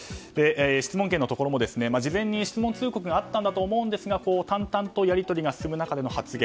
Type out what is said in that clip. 質問権のところも、事前に質問通告があったと思うんですが淡々とやり取りが進む中での発言。